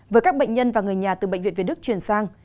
với các bệnh nhân và người nhà từ bệnh viện việt đức chuyển sang